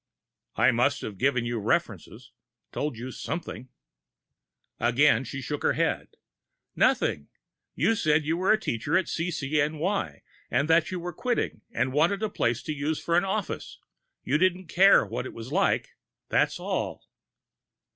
"But I must have given you references told you something " Again, she shook her head. "Nothing. You said you were a teacher at CCNY, but that you were quitting, and wanted a place to use as an office. You didn't care what it was like. That's all."